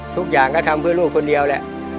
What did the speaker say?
ทุกอย่างก็ทำเพื่อลูกคนเดียวแหละ